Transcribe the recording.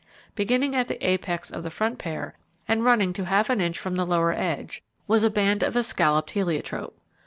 Beginning at the apex of the front pair, and running to half an inch from the lower edge, was a band of escalloped heliotrope.